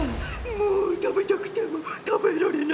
もう食べたくても食べられない。